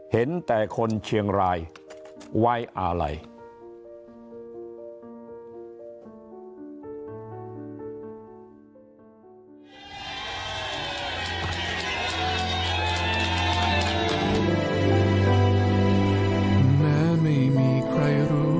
เห็นแต่คนเชียงรายไว้อะไร